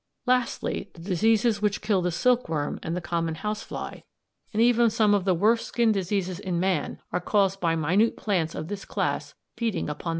Lastly, the diseases which kill the silkworm and the common house fly, and even some of the worst skin diseases in man, are caused by minute plants of this class feeding upon their hosts."